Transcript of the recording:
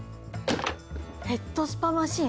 ヘッドスパマシン？